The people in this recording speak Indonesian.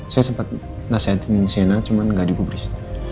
saya sempat nasihatin sienna cuman gak dikubris